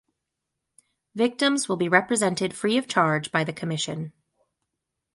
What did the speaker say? Victims will be represented free of charge by the commission.